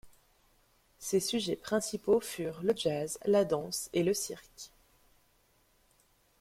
Ses sujets principaux furent le jazz, la danse et le cirque.